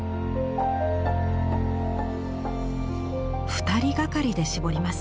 ２人がかりで絞ります。